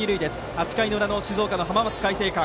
８回の裏の静岡の浜松開誠館。